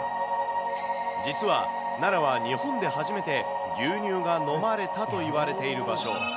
実は、奈良は日本で初めて牛乳が飲まれたといわれている場所。